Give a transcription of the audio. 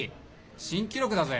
新記録だぜ。